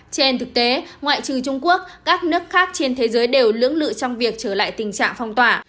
trên thực tế ngoại trừ trung quốc các nước khác trên thế giới đều lưỡng lự trong việc trở lại tình trạng phong tỏa